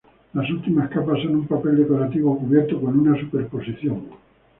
Las últimas capas son un papel decorativo cubierto con una superposición.